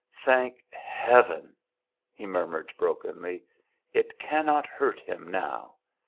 "Thank Heaven!" he murmured brokenly, "it cannot hurt him now.